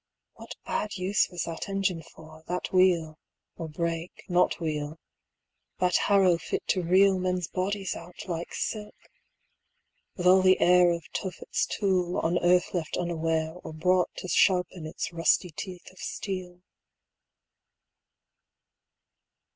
What bad use was that engine for, that wheel, 140 Or brake, not wheel that harrow fit to reel Men's bodies out like silk? with all the air Of Tophet's tool, on earth left unaware, Or brought to sharpen its rusty teeth of steel.